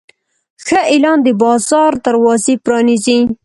ښه اعلان د بازار دروازې پرانیزي.